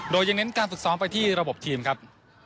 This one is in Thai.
โดยยังเน้นการฝึกซ้อมไปที่ระบบทีมครับ